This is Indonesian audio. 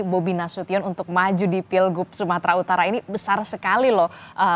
bobi nasution untuk maju di pilgub sumatera utara ini besar sekali loh